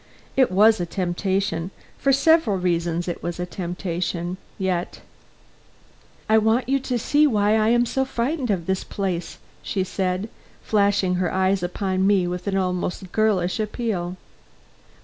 It was a temptation; for several reasons it was a temptation; yet "I want you to see why I am frightened of this place," she said, flashing her eyes upon me with an almost girlish appeal.